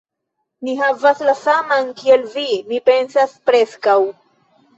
Mi havas la saman kiel vi, mi pensas preskaŭ...